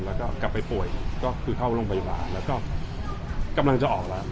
แล้วก็กลับไปป่วยก็คือเข้าโรงพยาบาลแล้วก็กำลังจะออกแล้ว